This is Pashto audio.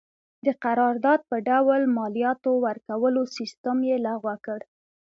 د قرارداد په ډول مالیاتو ورکولو سیستم یې لغوه کړ.